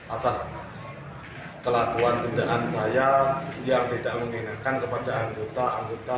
atas kelakuan bendaan payah yang tidak menyenangkan kepada anggota anggota